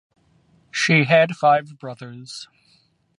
She had five brothers.